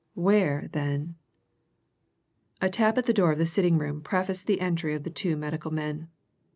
Where, then A tap at the door of the sitting room prefaced the entry of the two medical men.